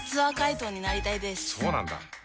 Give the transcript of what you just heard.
そうなんだ。